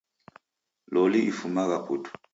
Loli ifumagha putu.